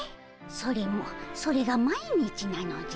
それもそれが毎日なのじゃ。